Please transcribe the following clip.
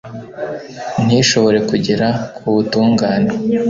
ntishobora kugera ku butungane